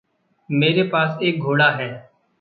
मेरे पास एक घोडा है।